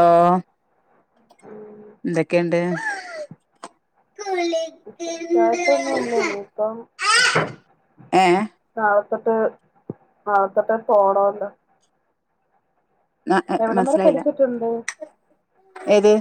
ആ എന്തൊക്കെയുണ്ട് രാവിലത്തെ ഒന്നല്ലേ ഇനി ഇപ്പം ഏ നാളെതൊട്ട് നാളെതൊട്ട് പോണല്ലോ മനസ്സിലായില്ല പഠിച്ചിട്ടുണ്ട് ഏത്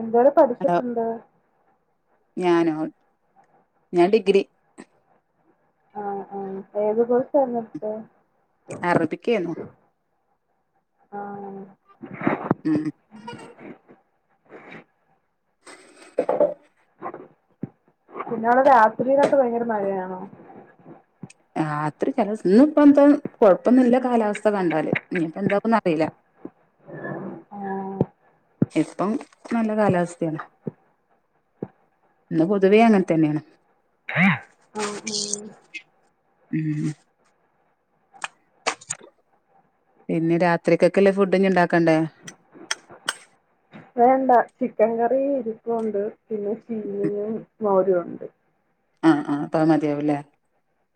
എന്തോരം പഠിച്ചിട്ടുണ്ട് ഞാനോ ഞാൻ ഡിഗ്രി ആ ആ ഏത് കോഴ്സായിരുന്നു ഇ ടുത്തേ അറബിക്കേന്നു ആ ഉം പിന്നെ അവിടെ രാത്രിയിലൊക്കെ ഭയങ്കര മഴയാണോ രത്രി ചെല ഇന്ന് ഇപ്പം എന്താ കൊഴപ്പൊന്നുല്ല കാലാവസ്ഥ കണ്ടാല് ഇനി ഇപ്പം എന്താന്ന് അറിയില്ല ആ ഇപ്പം നല്ല കാലാവസ്ഥയാണ് ഇന്ന് പൊതുവേ അങ്ങനെ തന്നെയാണ് ആ ആ ഉം പിന്നെ രാത്രിക്കൊക്കെല്ലേ ഫുഡ് ഇഞ് ഇണ്ടാക്കണ്ടേ? വേണ്ട ചിക്കൻ കറി ഇരുപ്പുണ്ട് പിന്നെ ചീനും മോരു ഉണ്ട് ആഹ് അപ്പാ മതിയാവുല്ലേ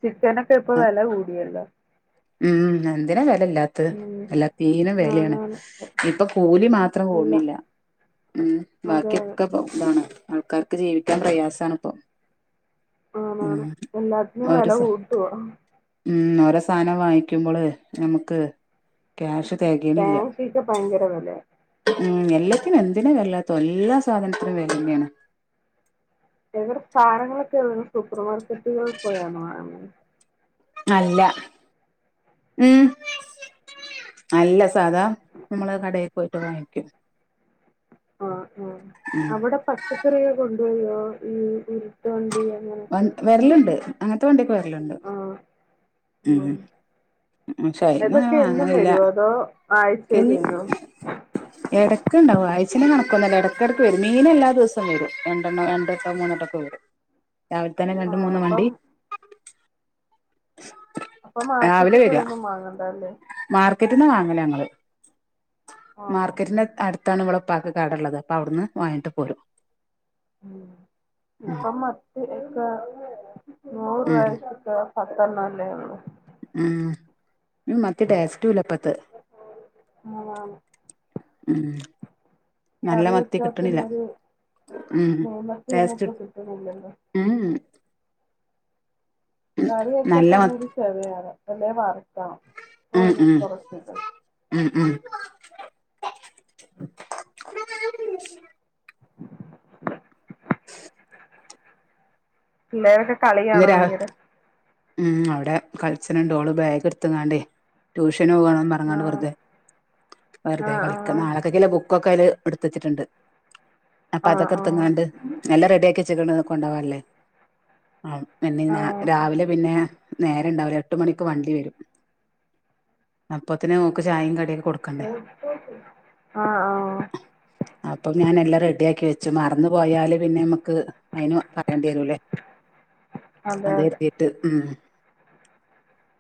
ചിക്കനൊക്കെ ഇപ്പൊ വെല കൂടിയല്ലോ ഉം എന്തിനാ വെലയില്ലാത്തത് ഉം. എല്ലാത്തനും വെലയാണ് ആണാണ് ഇപ്പൊ കൂലി മാത്രം അല്ല കൂട്ണ്ല്ല ഉ അതെ അതെ. ബാക്കിയൊക്കെ ഇതാണ് ആൾക്കാർക്ക് ജീവിക്കാൻ പ്രയാസണ് ഇപ്പൊ ആണാണ് എല്ലാത്തിനും ഒരു വില സ കൂട്ടുവാ ഉ സാനം വാങ്ങിക്കുമ്പോൾ നമുക്ക് ക്യാഷ് തികയണില്ല താങ്‌ക്ക്ക്കെ ഭയങ്കര വില ഉം എല്ലാത്തിനും എന്തിനാ വെലല്ലാത്തോ എല്ലാ സാധനത്തിനും വെലയന്നാണ് എവിടെ സാനങ്ങളൊക്കെ സൂപ്പർ മാർക്കറ്റുകളിൽ പോയാണ് വാങ്ണത് അല്ല ഉം അല്ല സാധാ നമ്മള് കടയിൽക്ക് പോയിട്ട് വാങ്ങിക്കും ആ ആ അവിടെ പച്ചക്കറികെ കൊണ്ടൊരൊ ഈ ഉരുട്ടു വണ്ടി വ വെരല്ണ്ട് അങ്ങനത്തെ വണ്ടിഒക്കെ വെരല്ണ്ട് ആഹ് ഉം ഉംഷൈന്ന അങ്ങനെ ഇതൊക്കെ എന്നും വാങ്ങല് ല്ല വരുവോ അതോ എ ആഴ്ചയില് വരുവോ എട ഒക്കെ ഉണ്ടാവും ആഴ്ച്ഛൻ്റ കണകൊന്നുല്ല ഇടക്ക് ഇടക്ക് വരും മീൻ എല്ലാ ദവസവും വരും രണ്ടണ്ണം രണ്ടട്ടൊ മൂന്നെട്ടൊക്കെ വരും ഉ രാവിലെ തന്നെ രണ്ട് മൂന്ന് വണ്ടി അപ്പൊ മാർക്കറ്റിൽ പോയിന്നും വങ്ങണ്ടാ മാർക്കറ്റന്ന് വാങ്ങലാ ഞങ്ങള് ആണോ മാർക്കറ്റിന്റെ അടുത്താണ് ഇവള പ്പാക്ക് കടള്ളത് അപ്പം അവിട്ന്ന് വാങ്ങിട്ട് പോരും ഉം ഉം ഇപ്പൊ മത്തിക്ക നൂറ് ഉം രൂവക്ക പത്തണ്ണല്ലേ ഒള്ളു ഉം മത്തിടെസ്റ്റൂല്ലപ്പത്ത് ആണാണ് ഉം നല്ല കറി മത്തി വെച്ചാ കിട്ടണില്ല തന്നെ ഒരു ഉം നെയ്മത്തി ഒന്നും ടേസ്റ്റ് ഇപ്പൊ കിട്ടുന്നില്ലല്ലോ ഉം കറിഒക്കെ നല്ല തന്നെ ഒരു മത്തി ചെറയാണ് എല്ല വാർ ഉം ഉം ഉം ഉം പിള്ളേരൊക്കെ ഇന്ന് കളിയാണോ രാ ഭയങ്കര ഉം അവിടെ കളച്ചനുണ്ടോ ഓൾ ബാഗ് എടുത്തങ്ങാണ്ടേ ടൂഷ ഷൈൻ പൊവാൻ പറഞാണ്ട് ആഹ് വെറുതെ വെറുതെ കളിക്ക ആഹ് നാളെകക്ക്ല്ലേ ബുക്കൊക്കെ അല് എടുത്തച്ചിട്ടുണ്ട് അപ്പൊ ആഹ് അതൊക്കെ ആഹ് എടുങ്ങാണ്ട് ഏല്ല റെഡി ആക്കി ച്ച് ക്ക്ണ് കൊണ്ട വല്ലേ ആ പിന്നെ ആഹ് രാവിലെ പിന്നെ നേര ഉണ്ടാവര് എട്ട് മണിക്ക് വണ്ടി വരും അപ്പത്തിനും ആ ആ അപ്പം ഞാൻ എല്ലാം റെഡി ആക്കി വെച്ചു മറന്നു പോയാല് പിന്നെ നമ്മക്ക് അതിന് പറയേണ്ടി വരൂല്ലേ അതെ എത്തിട്ട് ഉം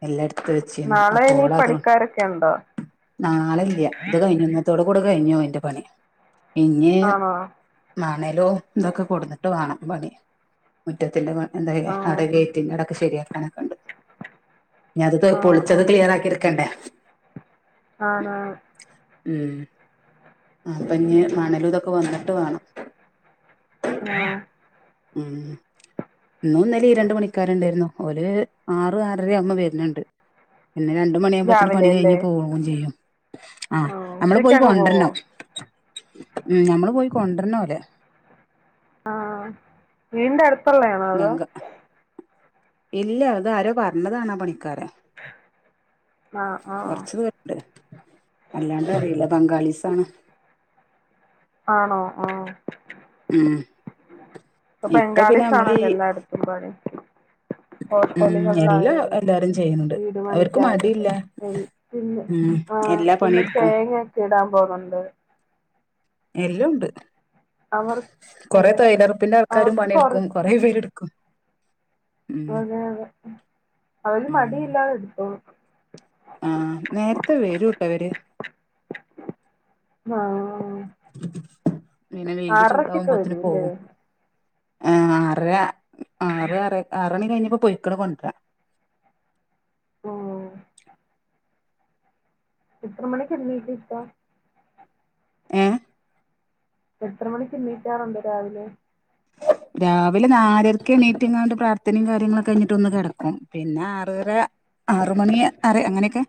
എല്ലായിടത്തും വെച്ചു നാളെ ഇനി അപ്പോൾ അത് പണിക്കാരൊക്കെ ഉണ്ടോ നാളല്ല ഇത് കഴുന്നത്തോടെ കൊടു കഴിഞ്ഞു അതിന്റെ പണി ഇഞ്ഞ് ആണോ മ ണേലോ ഇതൊക്കെ കൊടുന്നിട്ട് വേണം പണി മുറ്റത്തിന്റെ എന്താ ആഹ് അടെ ഗേറ്റിന്റെ ഇടക്ക് ശരിയാക്കാനക്കെുണ്ട് ഞത് ആഹ് പൊളിച്ചത് ക്ലിയർ ആക്കിയിരിക്കണ്ടേ ആഹ ആഹ ഉം അപ്പൊ ഇഞ് മണലൂതൊക്കെ വന്നിട്ട് വേണം ആ ഉം ഇന്നും ഇന്നലിം രണ്ട് പണിക്കാരുണ്ടായിരുന്നു ഒരു ഒരു ആറു ആറര അവുമ്പോ വരുന്നുണ്ട് പിന്നെ രണ്ട് മണിയാകുമ്പോത്തിന് പണി രാവിലെ അല്ലേ കഴിഞ്ഞു പോവും ചെയ്യും ആ ആഹ് നമ്മള് പോയി ഉച്ചക്കങ്ങ് പോവോ കൊണ്ടുവരണം ഉ നമ്മള് പോയി കൊണ്ടുവരണോലെ വീട്ന്റെ അടുത്ത് നങ്ക ഇല്ല അത് ആരോ പറഞ്ഞതാണ പണി ക്കരം ആഹ് ആഹ് കൊറച്ചു പേരുണ്ട് അല്ലാണ്ട് അറിയില്ല ബംഗാളീസ് ത്താണ് ആണോ ആഹ ഉം ഇപ്പൊ പിന്നെ ബംഗാളിസ് നമ്മള് ഈ ആണല്ലോ എല്ലായിടത്തും പണി ഉം എല്ലാ ഹോട്ടലുകളിലായാലും എല്ലാരും ചെയ്യുന്നുണ്ട് വീടു അവർക്ക് പണിക്കായാലും മടിയില്ല പിന്നെ ഉം ആഹ എല്ലാ പിന്നെ പണിയെടുക്കും തേങ്ങ ഒക്കെ ഇടാൻ പോവുന്നുണ്ട് എല്ലാം ഉണ്ട് കൊറെ അതെ തൊയിലോറപ്പിന്റെ ആൾക്കാരും അവർക്ക് കൊറ പണിയെടുക്കും കൊറെ പേര് എടുക്കും അതെ അവര് ഉം മടി ഇല്ലാതെ എടുതോളും ആഹ് നേരത്തെ വരൂട്ടോ ഇവര് ആഹ പിന്നെ വെയില് ആറരക്കൊക്കെ ചൂടാകുമ്പോത്തിന് വരൂല്ലേ പോവും ആ ആറര ആറ് ആ ആറണി കഴിഞ്ഞപ്പോ പൊയ്ക്ക്ണ് കൊണ്ടരാൻ ഓ എത്ര മണിക്ക് എഴുന്നേറ്റ് ഇത്താ ഏ എത്ര മണിക്ക് എണീകാറുണ്ട് രാവിലെ രാവിലെ നാലരക്ക് എണീറ്റ്ങ്ങണ്ട് പ്രാർത്ഥനയും കാര്യങ്ങളൊക്കെ കഴിഞ്ഞിട്ട് ഒന്ന് കിടക്കും പിന്നെ ആറര ആറ് മണി അറി അങ്ങനെയൊക്കെ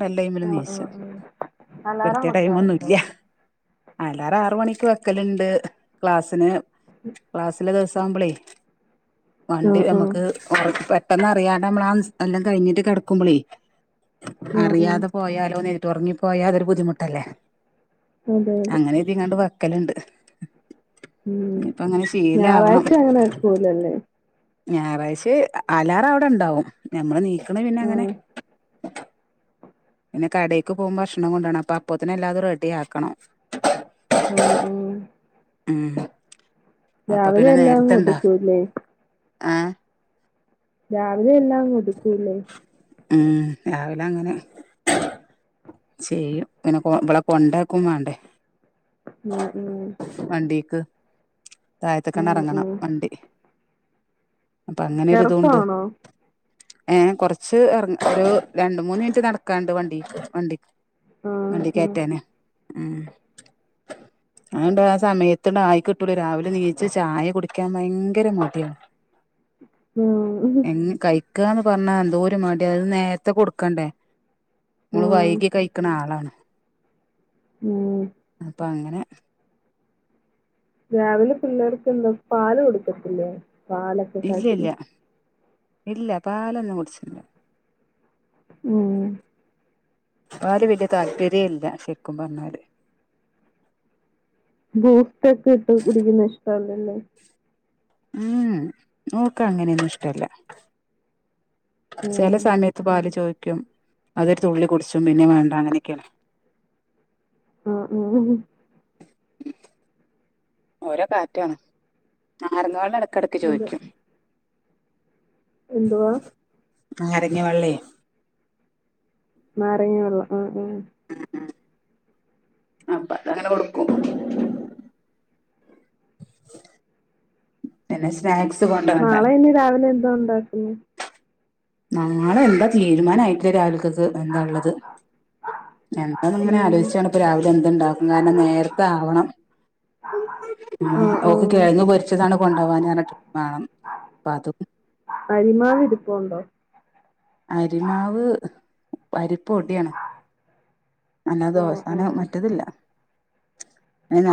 വല്ലൈമ്മില് ആഹ് നിച്ച ആഹ് ആഹ് അലാറം കൃത്യയ ടൈം വെക്കാറുണ്ടോ ഒന്നുല്ല അലാറം ആറ് മണിക്ക് വ പക്കലുണ്ട് ക്ലാസ്സിന് ക്ലാസ്സിലെ ദിവസ ആവുമ്പളേ വണ്ടി ആഹ് ആഹ് നമുക്ക് ഒർക്ക് പെട്ടെന്ന് അറിയാതെ നമ്മളാ എല്ലാം കഴിഞ്ഞിട്ട് കിടക്കുമ്പളി ആഹ് ആഹ് അറിയാതെ പോയാലോ നേരിട്ട് ഉറങ്ങിപ്പോയാ അതൊരു ബുദ്ധിമുട്ടല്ലേ അതെ അതെ അങ്ങനെതിങ്ങാണ്ട് വക്കലുണ്ട് ഉം ഞായറാഴ്ച അങ്ങനെ വേകൂലല്ലേ ഞായറാഴ് അലാറം അവിടെ ഇണ്ടാവും ഞമ്മള് നീക്കണ പിന്നെ അങ്ങനെ ആഹ് പിന്നെ കടേക്ക് പോകുമ്പോ ഭക്ഷണം കൊണ്ടണം അപ്പൊ അപ്പത്തിനെ എല്ലാതും റെഡി ആക്കണം ആ ഉ ഉം അപ്പൊ പിന്നെ എല്ലാം അങ്ങ് നേരത്തെണ്ടോ ഒതുക്കൂല്ലേ ആഹ രാവിലെ എല്ലാം ഒതു ക്കൂല്ലേ ഉം രാവിലെ അങ്ങനെ ചെയ്യും പിന്നെ ഇവളെ കൊണ്ടാക്കും വേണ്ടേ ആഹ് ആഹ് വണ്ടിക്ക് താഴത്ത്ക്കങ്ങട്ട് ആഹ് ഇറങ്ങണം ആഹ് വണ്ടി അപ്പൊ അങ്ങനെ ഒരുത്ണ്ട്. എറക്കവാണോ ഏ കൊറച്ച് ഇറ ഒരു രണ്ട മൂന്ന് മിനിറ്റ് നടക്കാണ്ട് വണ്ടിക്ക് വണ്ടി. ആഹ് വണ്ടിക്കയറ്റേനെ ആ അണ്ട് ആ സമയത്ത്ണ്ടായി കിട്ടുല്ല രാവിലെ നീച്ച് ചായ കുടിക്കാൻ ഭയങ്കര മട്യാണ് മ് മ് ഹ് ക്കാന്ന് പറഞ്ഞ എന്തോര് മട്യാ ഇത് നേരത്തെ കൊടുക്കണ്ടേ ഓൾ ആഹ് വൈകി കൈക്ക്ണ ആളാണ് ഉം അപ്പൊ അങ്ങനെ രാവിലെ പിള്ളേർക്ക് എന്താ പാല് കൊടുക്കത്തില്ലേ പാലൊക്കെ ഇല്ല കാച്ചി ഇല്ല ഇല്ല പാലൊന്നും കുട്ച്ചില്ല. ഉം പാല് വല്യ താല്പര്യേല്ല ശരിക്കും പറഞ്ഞാല്. ബൂസ്റ്റ് ഒക്കെ ഇട്ട് കുടിക്കുന്ന ഇഷ്ടല്ലല്ലേ ഉം ഓക്കങ്ങനെയന്നും ഇഷ്ടല്ല ചില ഉം സമയത്ത് പാല് ചോ ക്യും അതൊരു തുള്ളി കുടിച്ചും പിന്നെ വേണ്ട അങ്ങനെയൊക്കെയാണ് ആ ആ ഹ ഓരോ കാറ്റാണ് ആറന്നോളു കെടക്ക് അതെ ചോദിക്കും എന്തുവാ നാരങ്ങ വെള്ളേ നാരങ്ങ വള്ളം ആ ആ അപ്പ അത അങ്ങനെ കൊടുക്കും. പിന്നെ സ്നാക് നാളെ ഇനിരാവിലെ എന്തോ ഉണ്ടാക്കും നാളെ എന്താ തീരുമാനയിട്ടില്ല രാവിലക്കത്ത് എന്താള്ളത്. എന്താന്ന് ഇങ്ങനെ ഉം. ആലോയിച്ചാണ് ഇപ്പ രാവിലെ എന്തുണ്ടാക്കും കാരണം നേരത്തെ ആവണം ആ ഉം ആ. ഓക്ക് കെഴങ്ങ് പൊരിച്ചതാണ് കൊണ്ടവാനർഞ്ഞിട്ട് വാണം പാതും അരിമാവ് ഇരിപ്പുണ്ടോ? അരിമാവ് അരിപ്പൊടിയാണ് അന്നത് ആ ആ. അവസാനം മറ്റതില്ല.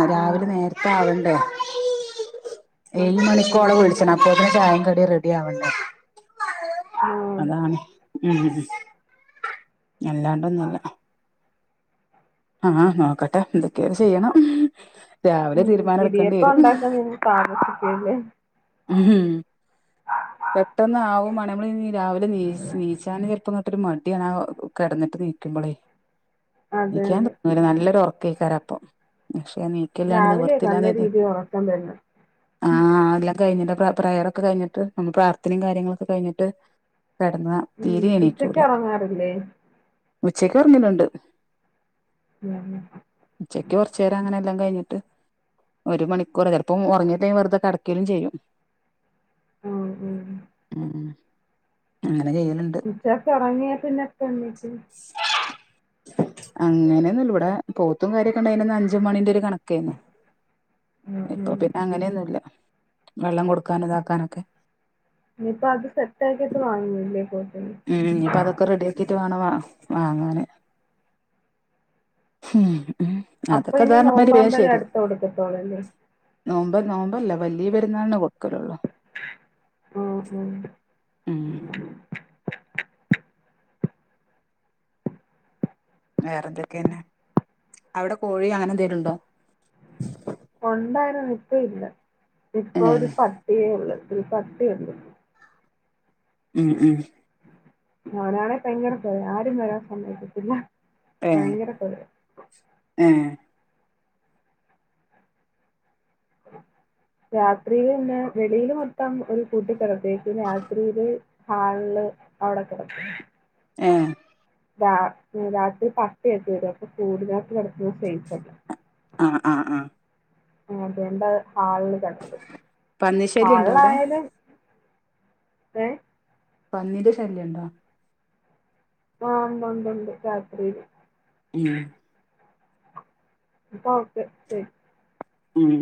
അ ആ. രാവിലെ നേരത്തെ ആവണ്ടേ ഏഴ് അതെ. ഉം മണിക്കോള ഉം. വിളിച്ചണം അപ്പോത്തിന് ചാ യിം കടി റെഡി ആവണ്ടേ? ആ. അതാണ്. ഉം അല്ലാണ്ടൊന്നുല്ല. ആഹ് നോക്കട്ടെ എതൊക്കെയ ചെയ്യണം രാവിലെ ഉം തീരുമാനം എടുക്കേണ്ടി ഇടിയപ്പ വരും ഉണ്ടാക്കാൻ നി താമസിക്കൂല്ലേ ഉം ഹ് പെട്ടന്ന് ആവും മാണം നമ്മള് രാവിലെ നീ നീച്ചാനെ ചെലപ്പം ഇങ്ങട്ടൊരു മടിയാണ് കിടന്നിട്ട് നീക്കുമ്പോളേ, അതെ എനിക്കാൻ അതെ. തോന്ന നല്ലൊരു ഉറക്കേക്കാര അപ്പൊ, പക്ഷെ നീക്കല്ലാണ്ട് രാവിലെ നല്ല നിവർത്തില്ലന്നത് രീതിയിൽ ഉറക്കം തന്നെ. ആല്ല കഴിഞ്ഞിട്ട് പ്രയറൊക്കെ കഴിഞ്ഞിട്ട് നമ്മൾ പ്രാർത്ഥനയും കാര്യങ്ങളൊക്കെ കഴിഞ്ഞിട്ട് കെടന്ന് ഉം. തീരെ ഉച്ചയ്ക്ക് എണീറ്റുല ഉറങ്ങാറില്ലേ? ഉച്ചക്ക് ഉറങ്ങല്ണ്ട് ഉം. ഉച്ചക്ക് കുറച്ചേരം അങ്ങനെ ല്ലാം കഴിഞ്ഞിട്ട് ഒരു മണിക്കൂർ ചിലപ്പോ ഉറങ്ങല്ലേ വെറുതെ കെടക്കേലും ചെയ്യും ഉം ഉം. ഉം അല്ല ഉച്ചക്കെ ഉറങ്ങിയാ പിന്നെപ്പ എണീക്കും? അങ്ങനൊന്നുല്ല ഇവിടെ പോത്തും കാര്യൊക്കെ ഇണ്ടായിനന്ന് അഞ്ച് മണീന്റെ ഒരു കണക്കയ്നു. ഉം ഇപ്പൊ ഉം. പിന്നെ അങ്ങനെന്നുല്ല വെള്ളം കൊടുക്കാന് ഇതാക്കാനൊക്കെ. ഇനിയിപ്പൊ അത് സെറ്റാക്കിട്ട് വാങ്ങുല്ലേ ഉം ഇപ്പൊ അതൊക്കെ റെഡി ആക്കിട്ട് വേണം വാങ്ങനെ അപ്പൊ ഇനി നോമ്പാമ്പഴ് അടുത്ത കൊടുത്തിത്തോളല്ലേ നോമ്പ് നോമ്പാല്ല വലിയപെരുന്നാളിന് കൊടുക്കലൊള്ളൂ ഓ ഹൊ ഉം വേറെ എന്തൊക്കെന്നെ അവിടെ കോഴി അങ്ങനെ എന്തേലുണ്ടോ ഒട്ടുല്ലാ ഇപ്പൊ ഒരു ഏഹ് പട്ടിയേ ഉള്ളൂ ഒരു പട്ടിയെ ഉള്ളൂ ഉം ഉം ഞാനാണേ ഭയങ്കര കൊരയാ ആരും വരാൻ സമ്മതിക്കില്ല ഏ ഏ രാത്രിയില് പിന്നെ വെളിയിൽ മൊത്തം ഒരു കൂട്ടിക്കിടത്തേക്കും രാത്രിയില് ഹാളില് അവിടെ കിടക്കും ഏ രാ രാത്രി പട്ടിയൊക്കെ വെരും അപ്പൊ കൂടിനകത്ത് കിടക്കുന്നത് സേഫ് അല്ല ആ ആ ആ അതുകൊണ്ട് ഹാളില് കേടാത്തും പന്നി ശല്യണ്ടോ അവിടെ ഹാളിലായാലും ഏ പന്നിുടെ ശല്യം ഉണ്ടോ ആ ഉണ്ടണ്ട് ഉണ്ടണ്ട് രാത്രിയില് ഉം അപ്പൊ ഓക്കെ ശരി ഉം